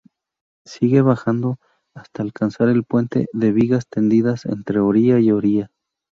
Sigue bajando hasta alcanzar el puente de vigas tendidas entre orilla y orilla.